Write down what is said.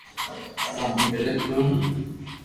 ڪو ھون علط ڪرو ھون